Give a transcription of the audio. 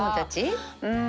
うん。